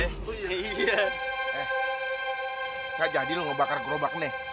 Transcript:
eh ya jadilah lo bakar gerobak ini